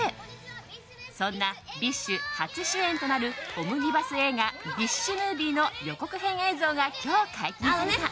そんなＢｉＳＨ初主演となるオムニバス映画「ＢｉＳＨＭＯＶｉＥ」の予告編映像が今日解禁された。